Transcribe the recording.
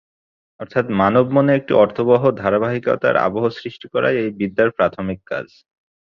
অর্থাৎ মানব মনে একটি অর্থবহ ধারাবাহিকতার আবহ সৃষ্টি করাই এই বিদ্যার প্রাথমিক কাজ।